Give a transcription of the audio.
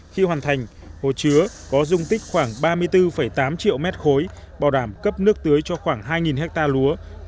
khi hoàn thành hồ chứa có dung tích khoảng ba mươi bốn tám triệu mét khối bảo đảm cấp nước tưới cho khoảng hai ha lúa